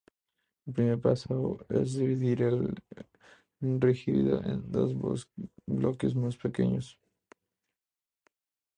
El primer paso es dividir el rígido en dos bloques más pequeños.